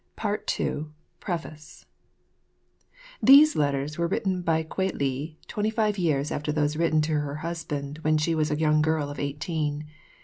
Part 2. Preface_. These letters were written by Kwei li twenty five years after those written to her husband when she was a young girl of eighteen.